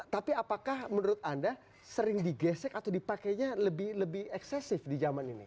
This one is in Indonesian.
tapi apakah menurut anda sering digesek atau dipakainya lebih eksesif di zaman ini